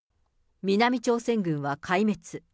南朝鮮軍は壊滅。